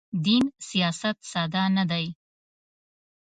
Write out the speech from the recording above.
دین سیاست ساده نه دی.